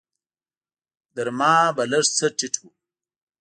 تر ما به لږ څه ټيټ و.